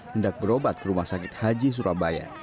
hendak berobat ke rumah sakit haji surabaya